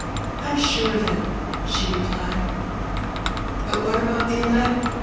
'' I'm sure of it," she replied. " But what about the elect ?